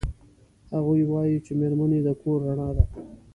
هغوی وایي چې میرمنې د کور رڼا ده